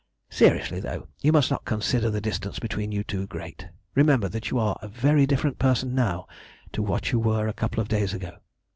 "Seriously, though, you must not consider the distance between you too great. Remember that you are a very different person now to what you were a couple of days ago.